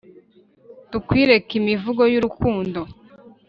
tukwereke imivugo yu rukundo,